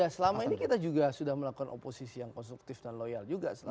selama ini kita juga sudah melakukan oposisi yang konstruktif dan loyal juga